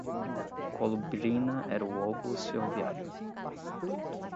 Colubrina era o obus ferroviário